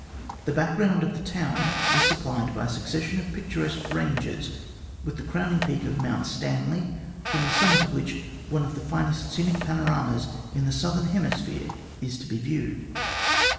The background of the town is supplied by a succession of picturesque ranges with the crowning peak of Mount Stanley, from the summit of which one of the finest scenic panoramas in the Southern Hemisphere is to be viewed.